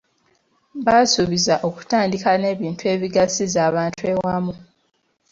Baasuubizza okutandika n'ebintu ebigasiza abantu awamu.